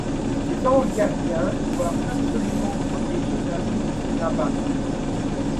Ces anges gardiens doivent absolument protéger la vie de ces Navajos.